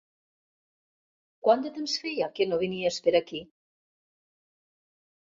Quant de temps feia que no venies per aquí?